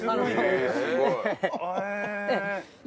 えすごい！